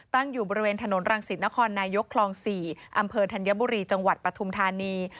ตั้งอยู่บริเวณถนนรังสิตนครนายกคลอง๔อำเภอธัญบุรีจังหวัดปฐุมธานี